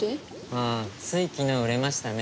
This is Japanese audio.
うんつい昨日売れましたね